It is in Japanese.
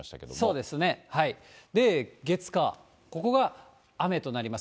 で、月、火、ここが雨となります。